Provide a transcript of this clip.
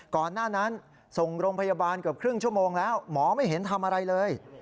ก่อนหน้านั้นส่งโรงพยาบาลเกือบครึ่งชั่วโมงแล้วหมอไม่เห็นทำอะไรเลย